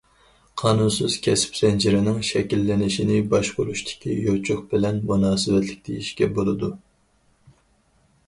قانۇنسىز كەسىپ زەنجىرىنىڭ شەكىللىنىشىنى باشقۇرۇشتىكى يوچۇق بىلەن مۇناسىۋەتلىك دېيىشكە بولىدۇ.